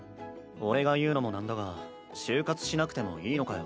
俺が言うのもなんだが就活しなくてもいいのかよ。